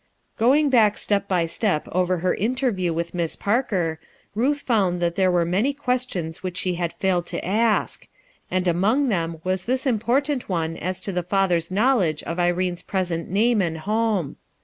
ALONE 251 Going back step by step over her interview with Miss Parker, Ruth found that there were many questions which she had failed to ask; and among them was this important one as to the father's knowledge of Irene's present name and home.